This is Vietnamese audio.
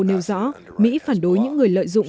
nêu rõ mỹ phản đối những người lợi dụng